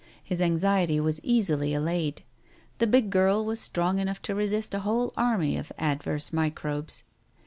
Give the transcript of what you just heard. His anxiety was easily allayed. The big girl was strong enough to resist a whole army of adverse microbes.